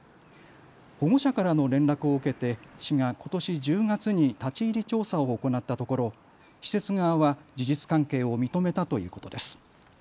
保護者からの連絡を受けて市がことし１０月に立ち入り調査を行ったところ施設側は事実関係を認めたということです。